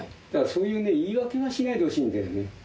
そういう言い訳はしないでほしいんだよね。